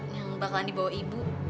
tangan yang bakalan dibawa ibu